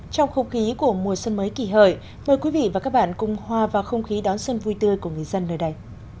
trong không khí của mùa xuân mới kỳ hợi mời quý vị và các bạn cùng hòa vào không khí đón xuân vui tươi của người dân nơi đây